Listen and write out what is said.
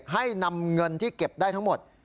ให้นำเงินที่เก็บได้ทั้งหมด